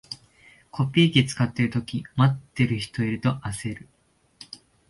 コピー機使ってるとき、待ってる人いると焦る